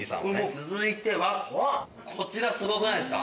続いてはこちらすごくないですか？